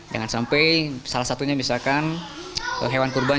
jangan sampai salah satunya misalkan hewan kurban